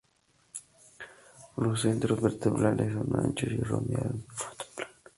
Los centros vertebrales son anchos y redondeados con un fondo plano.